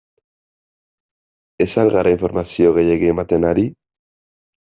Ez al gara informazio gehiegi ematen ari?